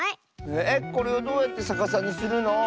えっこれをどうやってさかさにするの？